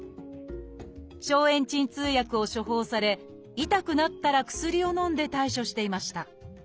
消炎鎮痛薬を処方され痛くなったら薬をのんで対処していました。